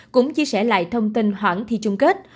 cũng chia sẻ lại thông tin khoản thi chung kết